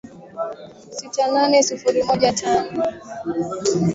sita nane sifuri moja tano